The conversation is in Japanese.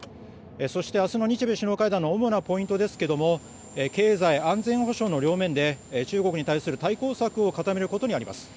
そして明日の日米首脳会談の主なポイントですが経済・安全保障の両面で中国に対する対抗策を固めることにあります。